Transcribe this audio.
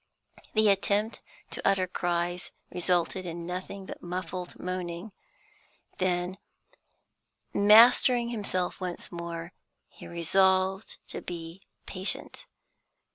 The attempt to utter cries resulted in nothing but muffled moaning. Then, mastering himself once more, he resolved to be patient.